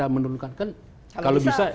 menurunkan kan kalau bisa